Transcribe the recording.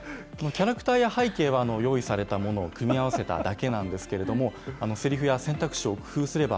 キャラクターや背景は用意されたものを組み合わせただけなんですけれども、せりふや選択肢を工夫すれば、